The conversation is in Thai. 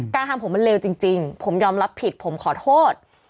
การทำผมมันเลวจริงผมยอมรับผิดผมขอโทษ